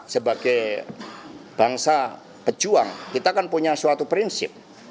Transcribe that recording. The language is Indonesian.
sebagai bangsa pejuang kita kan punya suatu prinsip